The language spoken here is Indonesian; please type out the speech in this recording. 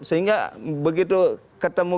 sehingga begitu ketemu